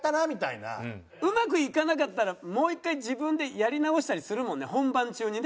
うまくいかなかったらもう１回自分でやり直したりするもんね本番中にね。